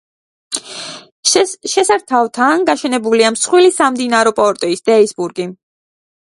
შესართავთან გაშენებულია მსხვილი სამდინარო პორტი დუისბურგი.